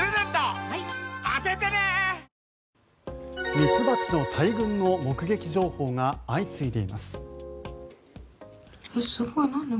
ミツバチの大群の目撃情報が相次いでいます。